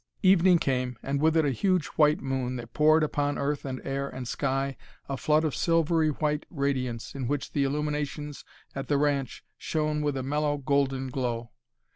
Evening came, and with it a huge white moon that poured upon earth and air and sky a flood of silvery white radiance in which the illuminations at the ranch shone with a mellow, golden glow.